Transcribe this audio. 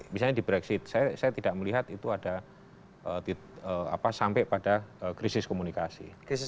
misalnya di brexit saya tidak melihat itu ada sampai pada krisis komunikasi